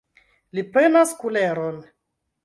Li prenas kuleron.